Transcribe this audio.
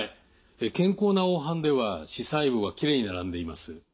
健康な黄斑では視細胞がきれいに並んでいます。